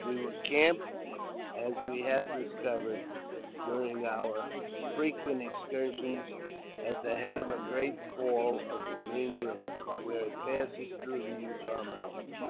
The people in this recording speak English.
We were encamped, as we had discovered during our frequent excursions at the head of a great fall of the Green Eiver, where it passes through the Utah Mountains.